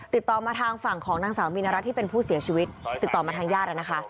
ติดต่อมาทางฝั่งของนางสาวมีนรัฐที่เป็นผู้เสียชีวิตติดต่อมาทางญาติแล้วนะคะ